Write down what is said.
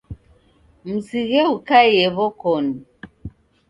Msighe ukaiye w'okoni.